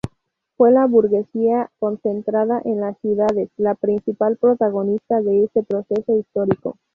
Fue la burguesía, concentrada en las ciudades, la principal protagonista de ese proceso histórico.